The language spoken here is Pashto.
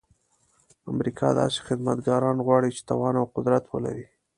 امریکا داسې خدمتګاران غواړي چې توان او قدرت ولري.